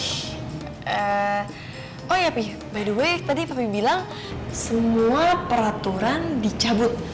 eee oh iya pi by the way tadi papi bilang semua peraturan dicabut